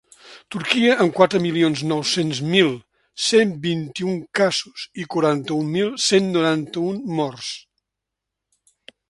Turquia, amb quatre milions nou-cents mil cent vint-i-un casos i quaranta-un mil cent noranta-un morts.